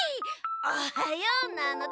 おはようなのだ！